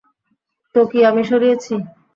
তো কি আমি সরিয়েছি?